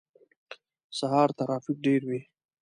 سهار ترافیک ډیر وی